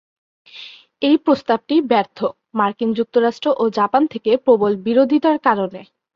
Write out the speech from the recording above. এই প্রস্তাবটি ব্যর্থ, মার্কিন যুক্তরাষ্ট্র ও জাপান থেকে প্রবল বিরোধিতার কারণে।